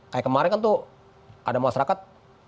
kayak kemarin kan tuh ada masyarakat